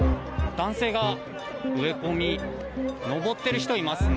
男性が植え込みに上っている人がいますね。